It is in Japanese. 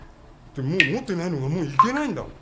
もう持ってないのがいけないんだもん。